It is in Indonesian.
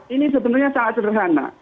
ini sebenarnya sangat sederhana